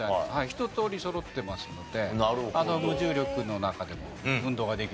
ひととおりそろってますので無重力の中でも運動ができるようになってます。